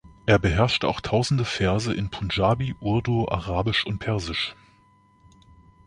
Er beherrschte auch Tausende Verse in Punjabi, Urdu, Arabisch und Persisch.